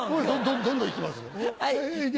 どんどんいきますよ。